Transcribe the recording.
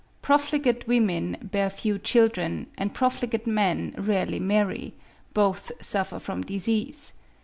Profligate women bear few children, and profligate men rarely marry; both suffer from disease.